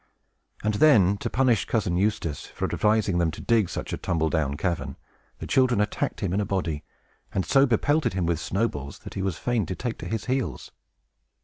And then, to punish Cousin Eustace for advising them to dig such a tumble down cavern, the children attacked him in a body, and so bepelted him with snowballs that he was fain to take to his heels.